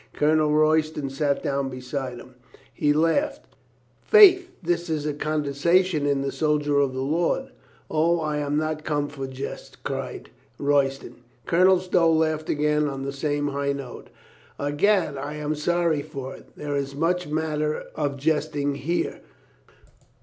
Colonel Royston sat down beside him. He laughed. "Faith, this is a condescension in the soldier of the Lord." "O, I am not come for jests," cried Royston. Colonel Stow laughed again on the same high note. "I'Gad, I am sorry for it. There is much matter of jesting here."